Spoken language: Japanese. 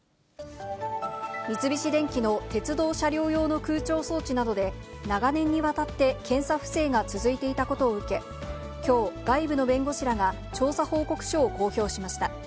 三菱電機の鉄道車両用の空調装置などで、長年にわたって検査不正が続いていたことを受け、きょう、外部の弁護士らが調査報告書を公表しました。